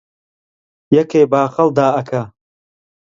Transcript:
یەکێ باخەڵ دائەکا